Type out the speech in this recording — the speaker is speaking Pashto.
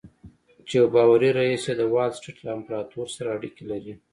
چې يو باوري رييس يې د وال سټريټ له امپراتور سره اړيکې لري.